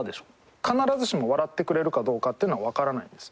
必ずしも笑ってくれるかどうかっていうのはわからないんですよ。